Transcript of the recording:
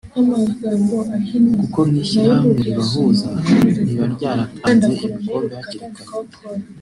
kuko nk’ishyirahamwe ribahuza riba ryaratanze ibikombe hakiri kare